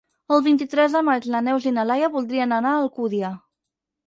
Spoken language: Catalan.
El vint-i-tres de maig na Neus i na Laia voldrien anar a Alcúdia.